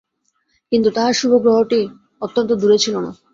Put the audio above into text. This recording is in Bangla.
কিন্তু তাহার শুভগ্রহটি অত্যন্ত দূরে ছিল না।